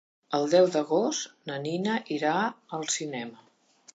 El deu d'agost na Nina irà al cinema.